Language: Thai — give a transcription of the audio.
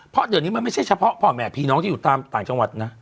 เพราะเดี๋ยวนี้มันไม่ใช่เฉพาะพ่อแม่พี่น้องที่อยู่ตามต่างจังหวัดนะ